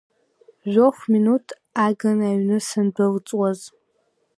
Жәохә минуҭ агын аҩны сандәылҵуаз.